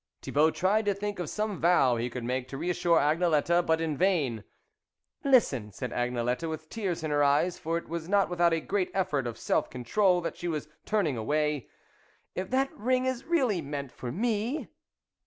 Thibault tried to think of some vow he could make to reassure Agnelette, but in vain. " Listen," said Agnelette, with tears in her eyes, for it was not without a great effort of self control that she was turning away, " if that ring is really meant for me.